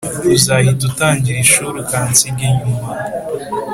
uzahita utangira ishuri ukansiga inyuma.